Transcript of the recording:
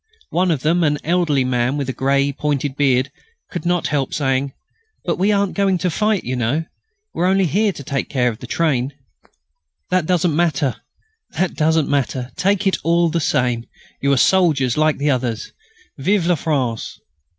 One of them, an elderly man with a small grey pointed beard, could not help saying: "But we aren't going to fight, you know. We are only here to take care of the train." "That doesn't matter. That doesn't matter. Take it all the same. You are soldiers, like the others.... _Vive la France!